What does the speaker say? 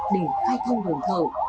để khai thông đồn thầu